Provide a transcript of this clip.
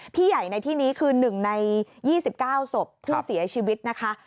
ใหญ่ในที่นี้คือ๑ใน๒๙ศพผู้เสียชีวิตนะคะ